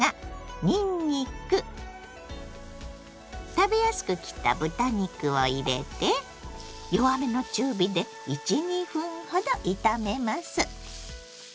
にんにく食べやすく切った豚肉を入れて弱めの中火で１２分ほど炒めます。